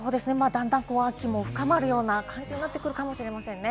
段々、秋も深まるような感じになってくるかもしれませんね。